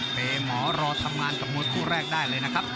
เป็นหมอรอทำงานกับมวยคู่แรกได้เลยนะครับ